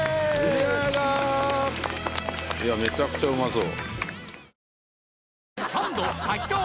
いやめちゃくちゃうまそう。